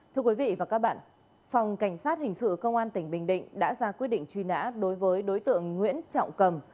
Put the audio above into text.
thưa quý vị và các bạn phòng cảnh sát hình sự công an tỉnh bình định đã ra quyết định truy nã đối với đối tượng nguyễn trọng cầm